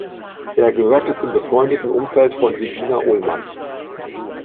Er gehörte zum befreundeten Umfeld von Regina Ullmann.